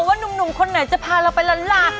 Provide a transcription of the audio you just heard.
ว่านุ่มคนไหนจะพาเราไปละลา